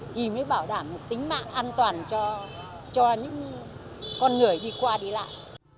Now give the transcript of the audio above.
thì mới bảo đảm tính mạng an toàn cho những con người đi qua đi lại